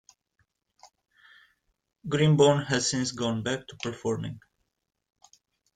Greenbaum has since gone back to performing.